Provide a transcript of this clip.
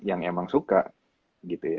yang emang suka gitu ya